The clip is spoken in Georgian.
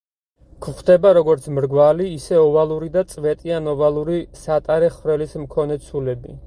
გვხვდება, როგორც მრგვალი, ისე ოვალური და წვეტიან-ოვალური სატარე ხვრელის მქონე ცულები.